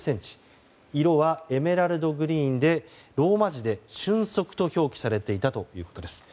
色はエメラルドグリーンでローマ字でＳＹＵＮＳＯＫＵと表記されていたということです。